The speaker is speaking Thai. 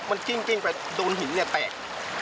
มันกิ้งไปโดนหินเนี่ยแตก